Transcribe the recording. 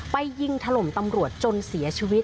ยิงถล่มตำรวจจนเสียชีวิต